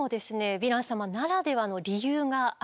ヴィラン様ならではの理由があるんですね。